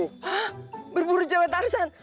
hah berburu cewek tarzan